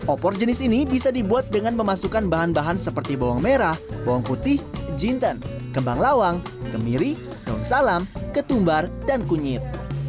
opor jenis ini bisa dibuat dengan memasukkan bahan bahan seperti bawang merah bawang putih jinten kembang lawang kemiri daun salam ketumbar dan kunyit